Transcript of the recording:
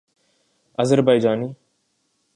Azerbaijani